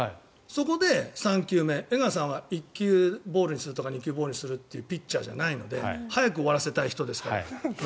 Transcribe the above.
そこで３球目、江川さんは１球ボールにするとか２球ボールにするというピッチャーじゃないので試合を早く終わらせたい人ですから。